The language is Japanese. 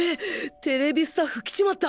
ＴＶスタッフ来ちまった！